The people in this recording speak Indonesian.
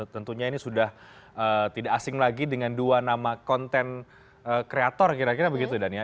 tentunya ini sudah tidak asing lagi dengan dua nama konten kreator kira kira begitu dania